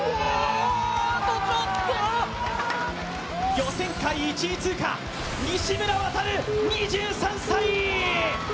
予選会１位通過、西村渉２３歳。